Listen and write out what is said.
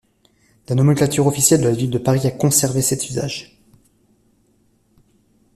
La nomenclature officielle de la ville de Paris a conservé cet usage.